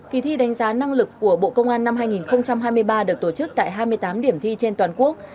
kỳ thi đánh giá năng lực của bộ công an năm hai nghìn hai mươi ba được tổ chức tại hai mươi tám điểm thi trên toàn quốc